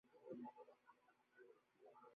মান্দ্রাজের পর আরও বেড়ে গেল।